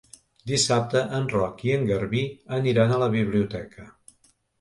Dissabte en Roc i en Garbí aniran a la biblioteca.